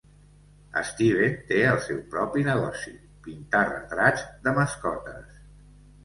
Steven té el seu propi negoci: pintar retrats de mascotes.